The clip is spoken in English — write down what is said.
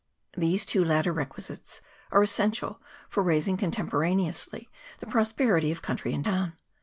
These two latter requisites are essential for raising contem poraneously the prosperity of country and town.